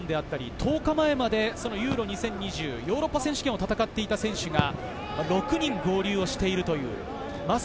１０日前までユーロ２０２０、ヨーロッパ選手権を戦っていた選手が６人合流しています。